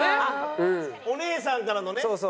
お姉さんからのね。